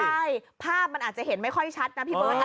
ใช่ภาพมันอาจจะเห็นไม่ค่อยชัดนะพี่เบิร์ต